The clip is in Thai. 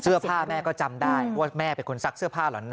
เสื้อผ้าแม่ก็จำได้ว่าแม่เป็นคนซักเสื้อผ้าเหรอนะ